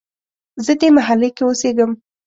زه دې محلې کې اوسیږم